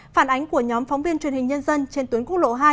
phản ánh của nhóm phóng viên truyền hình nhân dân trên tuyến quốc lộ hai